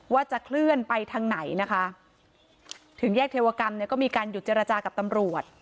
ว่าจะเคลื่อนไปทางไหนนะคะถึงแยกเทวกรรมเนี่ยก็มีการหยุดเจรจากับตำรวจ